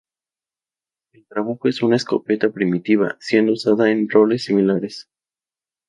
El trabuco era una escopeta primitiva, siendo usado en roles similares.